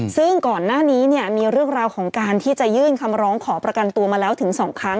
ซึ่งก่อนหน้านี้เนี่ยมีเรื่องราวของการที่จะยื่นคำร้องขอประกันตัวมาแล้วถึง๒ครั้ง